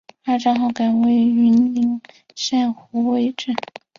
二战后改为云林县虎尾镇。